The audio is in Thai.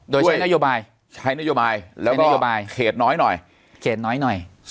โดยใช้นโยบายใช้นโยบายแล้วนโยบายเขตน้อยหน่อยเขตน้อยหน่อย